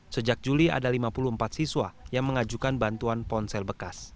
sejak juli ada lima puluh empat siswa yang mengajukan bantuan ponsel bekas